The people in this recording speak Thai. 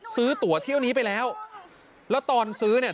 ซื้อตัวเที่ยวนี้ไปแล้วแล้วตอนซื้อเนี่ย